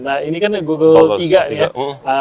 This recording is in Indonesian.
nah ini kan google tiga nih ya